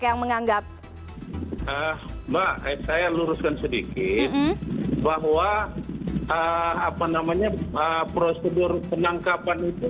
yang menganggap mbak saya luruskan sedikit bahwa apa namanya prosedur penangkapan itu